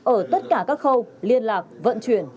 ở tất cả các khâu liên lạc vận chuyển